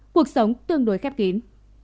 cuộc sống tương đối khép kín